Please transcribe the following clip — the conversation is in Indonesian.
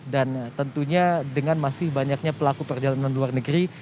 dan tentunya dengan masih banyaknya pelaku perjalanan luar negeri